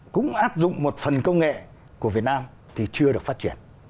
cũng áp dụng một phần công nghệ của việt nam thì chưa được phát triển